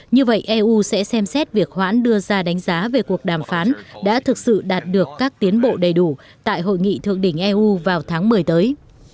như vậy eu sẽ xem xét việc hoãn đưa ra đánh giá về cuộc đàm phán đã thực sự đạt được các tiến bộ đầy đủ tại hội nghị thượng đỉnh eu vào tháng một mươi tới